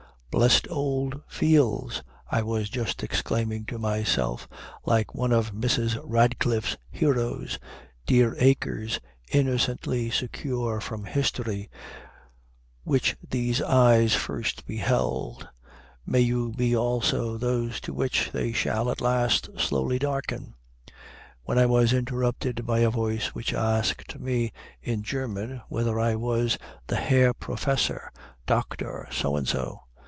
"Blessed old fields," I was just exclaiming to myself, like one of Mrs. Radcliffe's heroes, "dear acres, innocently secure from history, which these eyes first beheld, may you be also those to which they shall at last slowly darken!" when I was interrupted by a voice which asked me in German whether I was the Herr Professor, Doctor, So and so?